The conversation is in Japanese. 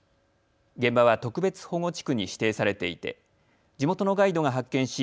現場は特別保護地区に指定されていて地元のガイドが発見し